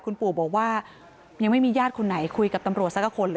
คุณปู่บอกว่ายังไม่มีญาติคนไหนคุยกับตำรวจสักคนเลย